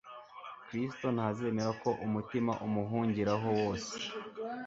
Kristo ntazemera ko umutima umuhungiraho wose,